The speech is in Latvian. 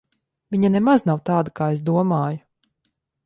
Viņa nemaz nav tāda, kā es domāju.